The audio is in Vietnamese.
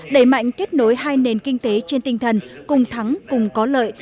đẩy mạnh kết nối hai nền kinh tế trên tinh thần cùng thắng cùng có lợi